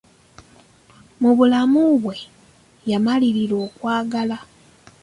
Mu bulamu bwe yamalirira okwagala.